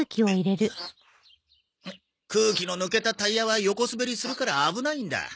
空気の抜けたタイヤは横滑りするから危ないんだ。